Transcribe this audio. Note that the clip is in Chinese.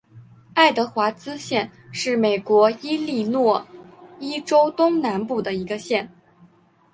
爱德华兹县是美国伊利诺伊州东南部的一个县。